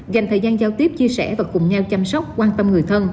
dành thời gian giao tiếp chia sẻ và cùng nhau chăm sóc quan tâm người thân